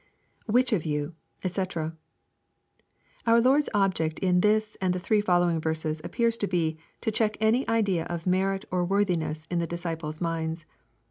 [ Which of yoUj Sc] Our Lord's object in this and the three following verses appears to be, to check any idea of merit or worthiness in the disciples' minds.